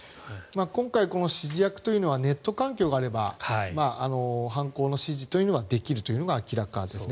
今回、この指示役はネット環境があれば犯行の指示というのはできるというのが明らかですね。